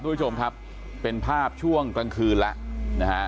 ทุกผู้ชมครับเป็นภาพช่วงกลางคืนแล้วนะฮะ